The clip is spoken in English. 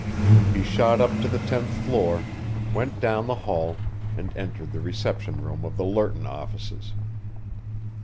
He shot up to the tenth floor, went down the hall, and entered the reception room of the Lerton offices.